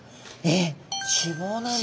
えっ！